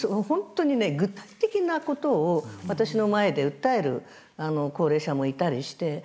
本当に具体的なことを私の前で訴える高齢者もいたりして。